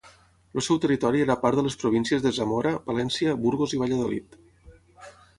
El seu territori era part de les províncies de Zamora, Palència, Burgos i Valladolid.